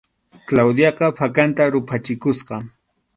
Claudiaqa phakanta ruphachikusqa.